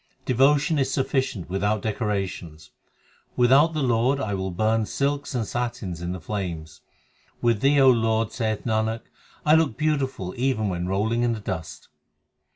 Devotion is sufficient without decorations : Without the Lord I will burn silks and satins in the flames ; With Thee, O Lord, saith Nanak, I look beautiful even when rolling in the dust.